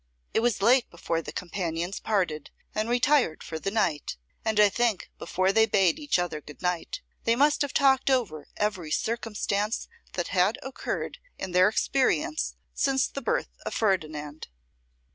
It was late before the companions parted, and retired for the night; and I think, before they bade each other good night, they must have talked over every circumstance that had occurred in their experience since the birth of Ferdinand.